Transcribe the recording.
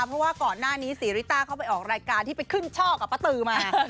เพราะว่าก่อนหน้านี้ศรีริต้าเข้าไปออกรายการที่ไปขึ้นช่อกับป้าตือมา